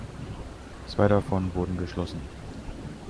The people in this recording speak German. Zwei davon wurden geschlossen.